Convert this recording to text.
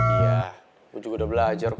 iya gue juga udah belajar kok